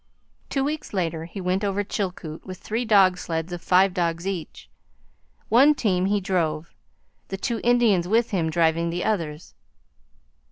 Two weeks later he went over Chilkoot with three dog sleds of five dogs each. One team he drove, the two Indians with him driving the others.